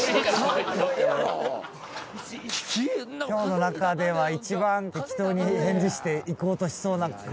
今日の中では一番適当に返事して行こうとしそうな雰囲気はあるね。